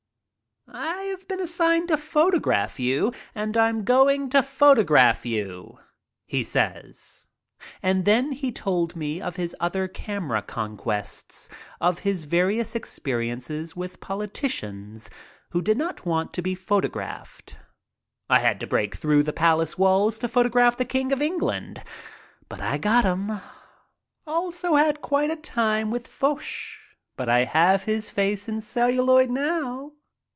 "I have been assigned to photograph you and I'm going to photograph you," he says. And then he told me of his other camera conquests, of his various experiences with politicians who did not want to be photographed. "I had to break through the palace walls to photograph the King of England, but I got him. Also had quite a time with Foch, but I have his face in celluloid now."